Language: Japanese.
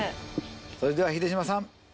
それでは秀島さん。